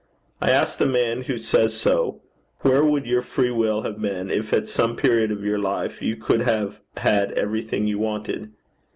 I ask the man who says so: 'Where would your free will have been if at some period of your life you could have had everything you wanted?'